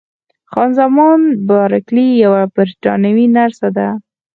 خان زمان بارکلي یوه بریتانوۍ نرسه ده.